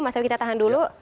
mas awi kita tahan dulu